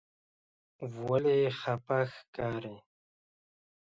ولې خپه ښکارې؟